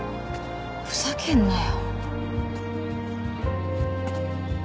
ふざけんなよ